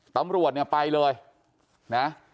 ตำรวจเนี่ยไปเลยนะ